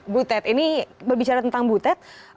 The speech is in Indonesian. bu ted ini berbicara tentang bu ted